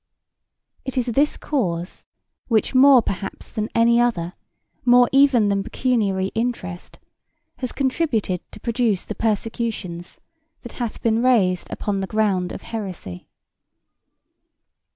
It is this cause which more perhaps than any other, more even than pecuniary interest, has contributed to produce the persecutions that hath been raised upon the ground of heresy.